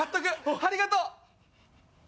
ありがとう。